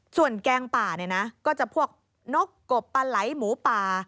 ส่วนแก้งป่าก็จะพวกนกกบปลาไหล่หมูป่า